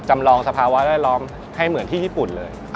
จำลองสภาวะแวดล้อมให้เหมือนที่ญี่ปุ่นเลย